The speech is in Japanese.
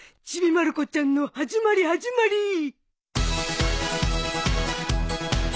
ちびまる子ちゃんの始まり始まり。